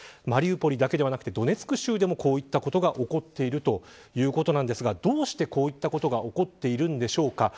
マリウポリだけではなくドネツク州でもこういったことが起こっているということですがどうして、こうしたことが起こっているんでしょうか。